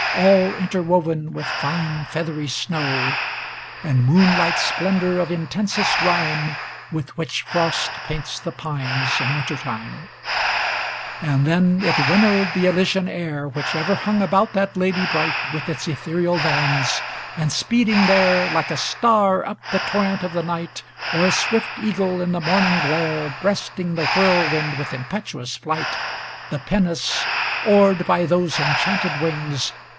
All interwoven with fine feathery snow And moonlight splendor of intensest rime With which frost paints the pines in winter time ; XLV And then it winnowed the Elysian air, Which ever hung about that lady bright, With its ethereal vans; and speeding there. Like a star up the torrent of the night, Or a swift eagle in the morning glare Breasting the whirlwind with impetuous flight, The pinnace, oared by those enchanted wings.